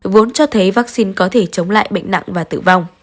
vốn cho thấy vaccine có thể chống lại bệnh nặng và tử vong